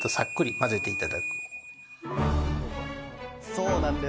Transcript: そうなんです。